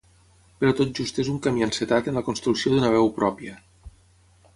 Però tot just és un camí encetat en la construcció d'una veu pròpia.